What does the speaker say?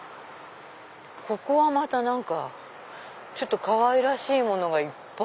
ここはまた何かかわいらしいものがいっぱい